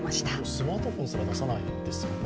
スマートフォンすら出さないですよね